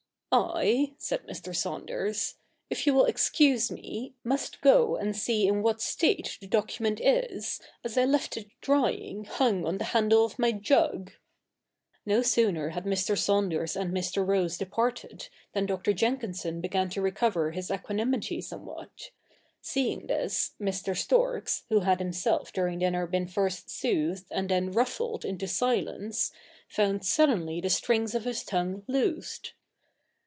'I,' said Mr. Saunders, 'if you will excuse me, must go and see in what state the document is, as I left it drying, hung on the handle of my jug.' No sooner had Mr. Saunders and Mr. Rose departed than Dr. Jenkinson began to recover his equanimity somewhat. Seeing this, Mr. Storks, who had himself durino; dinner been first soothed and then ruffled into silence, found suddenly the strings of his tongue loosed.